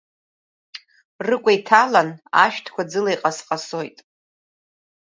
Рыкәа иҭалан, ашәҭқәа ӡыла иҟасҟасоит.